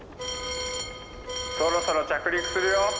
「そろそろ着陸するよ」。